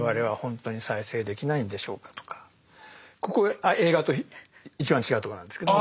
ここ映画と一番違うところなんですけどね。